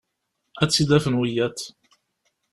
Ad tt-id-afen wiyaḍ.